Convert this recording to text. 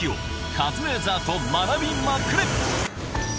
カズレーザーと学びまくれ！